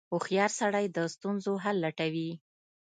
• هوښیار سړی د ستونزو حل لټوي.